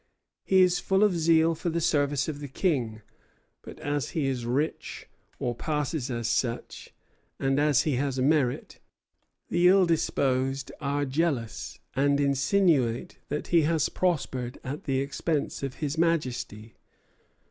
He is full of zeal for the service of the King; but as he is rich, or passes as such, and as he has merit, the ill disposed are jealous, and insinuate that he has prospered at the expense of His Majesty.